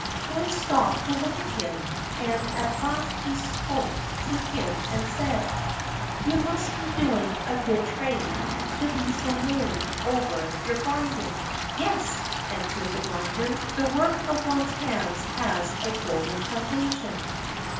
Hans stopped to look at him, and at last he spoke to him and said: "You must be doing a good trade to be so merry over your grinding." "Yes," answered the grinder. "The work of one's hands has a golden foundation.